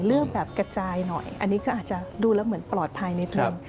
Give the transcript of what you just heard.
เริ่มแบบกระจายหน่อยอันนี้ก็อาจจะดูแล้วเหมือนปลอดภัยนิดนึง